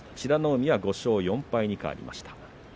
海は５勝４敗に変わりました。